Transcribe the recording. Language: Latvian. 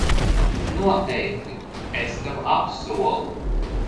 Noteikti, es tev apsolu.